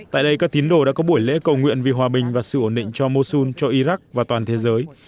tại đây các tín đồ đã có buổi lễ cầu nguyện vì hòa bình và sự ổn định cho mosun cho iraq và toàn thế giới